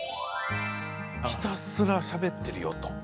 ひたすらしゃべっていると。